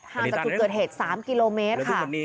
จากจุดเกิดเหตุ๓กิโลเมตรค่ะ